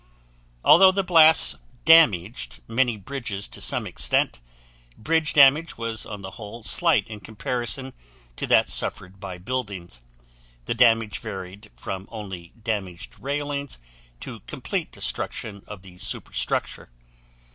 Although the blast damaged many bridges to some extent, bridge damage was on the whole slight in comparison to that suffered by buildings. The damage varied from only damaged railings to complete destruction of the superstructure.